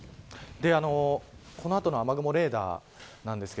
この後の雨雲レーダーですが